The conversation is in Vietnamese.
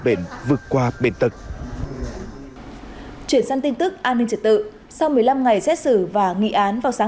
bệnh vượt qua bệnh tật chuyển sang tin tức an ninh trật tự sau một mươi năm ngày xét xử và nghị án vào sáng